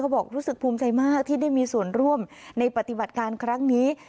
บอกรู้สึกภูมิใจมากที่ได้มีส่วนร่วมในปฏิบัติการครั้งนี้